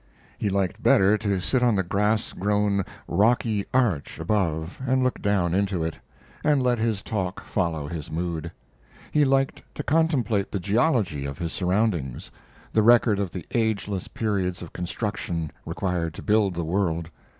He liked better to sit on the grass grown, rocky arch above and look down into it, and let his talk follow his mood. He liked to contemplate the geology of his surroundings, the record of the ageless periods of construction required to build the world.